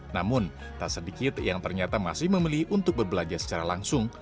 namun tak sedikit yang ternyata masih membeli untuk berbelanja secara langsung